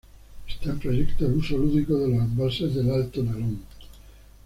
Está en proyecto el uso lúdico de los embalses del Alto Nalón.